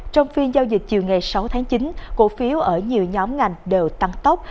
trong phiên giao dịch chiều ngày sáu tháng chín cổ phiếu ở nhiều nhóm ngành đều tăng tốc